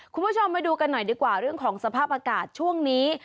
คุณผู้ชมไปดูกันหน่อยดีกว่าเรื่องของสภาพอากาศช่วงนี้